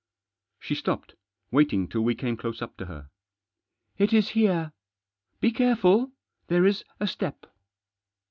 She stopped ; waiting till we came close up to her. " It is here. Be careful ; there is a step."